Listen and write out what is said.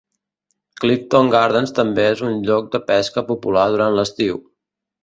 Clifton Gardens també és un lloc de pesca popular durant l'estiu.